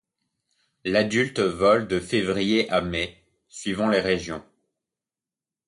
L'adulte vole de février à mai, suivant les régions.